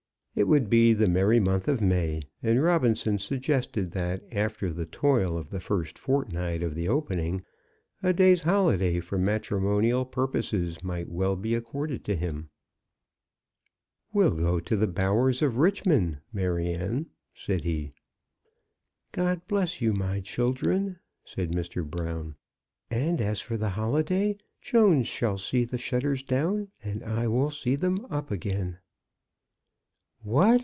It would be the merry month of May; and Robinson suggested that, after the toil of the first fortnight of the opening, a day's holiday for matrimonial purposes might well be accorded to him. "We'll go to the bowers of Richmond, Maryanne," said he. "God bless you, my children," said Mr. Brown. "And as for the holiday, Jones shall see the shutters down, and I will see them up again." "What!"